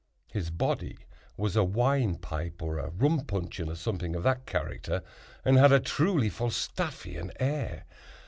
His body was a wine pipe, or a rum puncheon, or something of that character, and had a truly Falstaffian air.